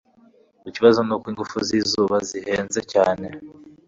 Ikibazo nuko ingufu zizuba zihenze cyane